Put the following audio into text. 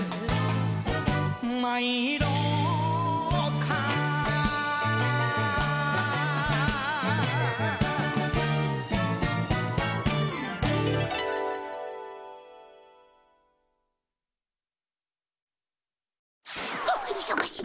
はあいそがしい！